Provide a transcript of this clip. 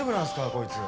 こいつ。